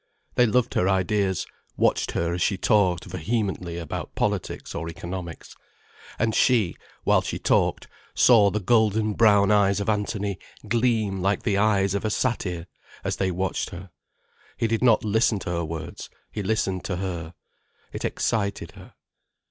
They loved her ideas, watched her as she talked vehemently about politics or economics. And she, while she talked, saw the golden brown eyes of Anthony gleam like the eyes of a satyr as they watched her. He did not listen to her words, he listened to her. It excited her.